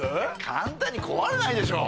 簡単に壊れないでしょ？